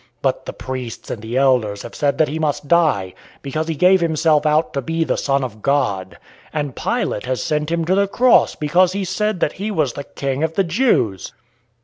But the priests and elders have said that he must die, because he gave himself out to be the Son of God. And Pilate has sent him to the cross because he said that he was the 'King of the Jews.'"